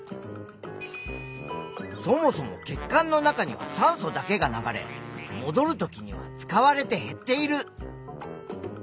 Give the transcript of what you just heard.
そもそも血管の中には酸素だけが流れもどるときには使われて減っている。